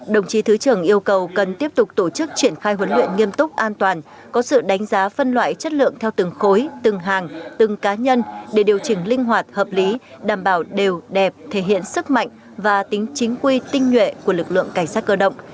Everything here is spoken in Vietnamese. đồng chí thứ trưởng yêu cầu cần tiếp tục tổ chức triển khai huấn luyện nghiêm túc an toàn có sự đánh giá phân loại chất lượng theo từng khối từng hàng từng cá nhân để điều chỉnh linh hoạt hợp lý đảm bảo đều đẹp thể hiện sức mạnh và tính chính quy tinh nhuệ của lực lượng cảnh sát cơ động